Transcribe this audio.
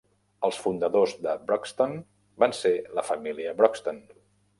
Els fundadors de Broxton van ser la família Broxton.